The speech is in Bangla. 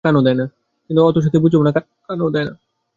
কিন্তু সে অত শত বুঝেও না, অত কথায় কানও দেয় না।